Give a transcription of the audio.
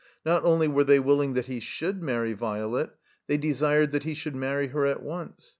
Not only were they willing that he should marry Violet, they desired that he should marry her at once.